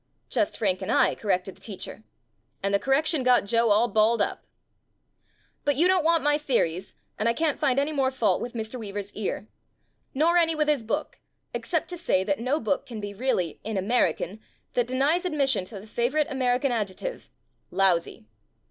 "Just Frank and I," corrected the teacher. And the correction got Joe all balled up. But you don't want my theories and I can't find any more fault with Mr. Weaver's ear. Nor any with his book except to say that no book can be really "in American" that denies ad mission to the favorite American ad jective— lousy.